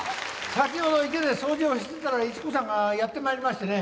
先ほど池で掃除をしてたらイチ子さんがやって参りましてね。